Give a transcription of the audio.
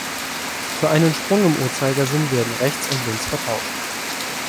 Für einen Sprung im Uhrzeigersinn werden rechts und links vertauscht.